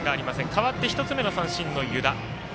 代わって１つ目の三振の湯田。